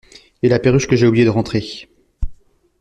Et la perruche que j’ai oublié de rentrer !…